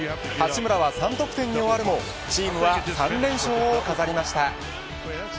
八村は３得点に終わるもチームは３連勝を飾りました。